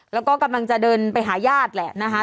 แล้วก็กำลังจะเดินไปหาญาติแหละนะคะ